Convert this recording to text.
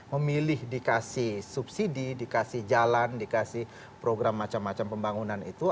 memilih dikasih subsidi dikasih jalan dikasih program macam macam pembangunan itu